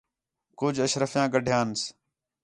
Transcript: کُج اشرفیاں گڈھیانس